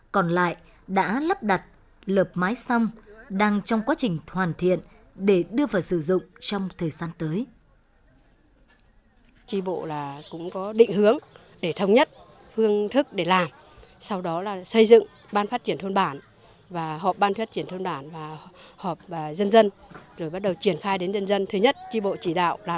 còn lại đã lắp đặt lợp mái xong đang trong quá trình hoàn thiện để đưa vào sử dụng trong thời gian tới